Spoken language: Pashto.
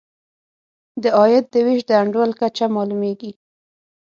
د عاید د وېش د انډول کچه معلوموي.